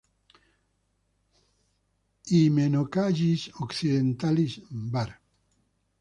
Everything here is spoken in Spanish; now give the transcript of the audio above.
Hymenocallis occidentalis var.